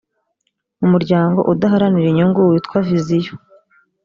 umuryango udaharanira inyungu witwa vision